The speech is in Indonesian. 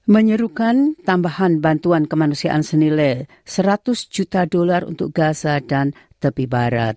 menyerukan tambahan bantuan kemanusiaan senilai seratus juta dolar untuk gaza dan tepi barat